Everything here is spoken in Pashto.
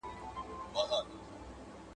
زه به سبا ليکلي پاڼي ترتيب کړم!.